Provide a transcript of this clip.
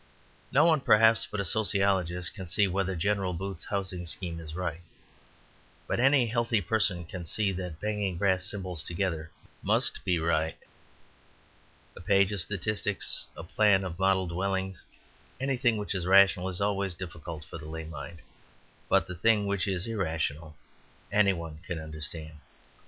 No one, perhaps, but a sociologist can see whether General Booth's housing scheme is right. But any healthy person can see that banging brass cymbals together must be right. A page of statistics, a plan of model dwellings, anything which is rational, is always difficult for the lay mind. But the thing which is irrational any one can understand.